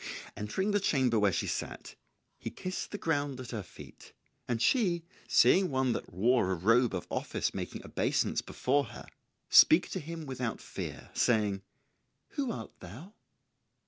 Entering the chamber where she sat he kissed the ground at her feet; and she, seeing one that wore a robe of office making obeisance before her, speak to him without fear, saying, "Who art thou?"